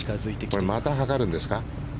これ、また測るんですか？